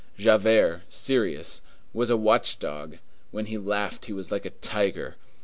Javert, serious, was a watchdog; when he laughed, he was a tiger.